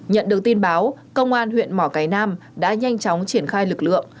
nhận được tin báo công an huyện mỏ cái nam đã nhanh chóng triển khai lực lượng